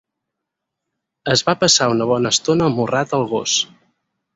Es va passar una bona estona amorrat al gos.